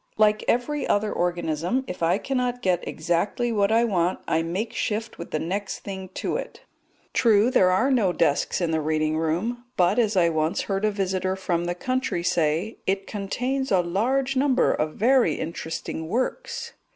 Like every other organism, if I cannot get exactly what I want I make shift with the next thing to it; true, there are no desks in the reading room, but, as I once heard a visitor from the country say, "it contains a large number of very interesting works."